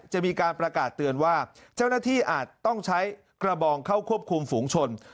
จะมีการประกาศเตือนว่าเจ้าหน้าที่อาจต้องใช้กระบองเข้าควบคุมฝูงชน